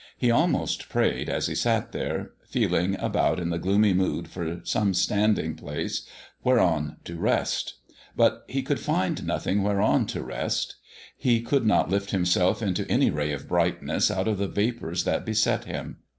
He almost prayed as he sat there, feeling about in the gloomy mood for some standing place whereon to rest. But he could find nothing whereon to rest. He could not lift himself into any ray of brightness out of the vapors that beset him.